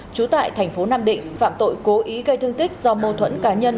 trú tại thành phố nam định phạm tội cố ý gây thương tích do mâu thuẫn cá nhân